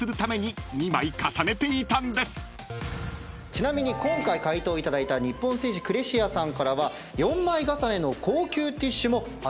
ちなみに今回回答いただいた日本製紙クレシアさんからは４枚重ねの高級ティッシュも発売されています。